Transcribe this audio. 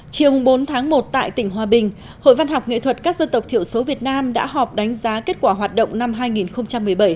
chiều bốn tháng một tại tỉnh hòa bình hội văn học nghệ thuật các dân tộc thiểu số việt nam đã họp đánh giá kết quả hoạt động năm hai nghìn một mươi bảy